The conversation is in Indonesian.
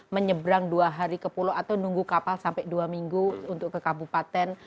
menyebrang dua hari ke pulau atau nunggu kapal sampai dua minggu untuk ke kabupaten